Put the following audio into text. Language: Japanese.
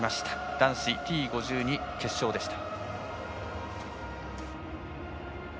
男子Ｔ５２決勝でした。